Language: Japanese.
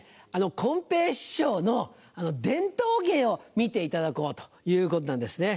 こん平師匠の伝統芸を見ていただこうということなんですね。